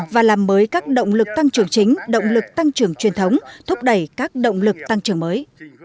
và làm mới các động lực tăng trưởng chính động lực tăng trưởng truyền thống thúc đẩy các động lực tăng trưởng mới